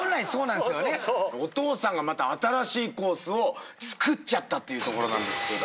お父さんがまた新しいコースを造っちゃったっていうところなんですけど。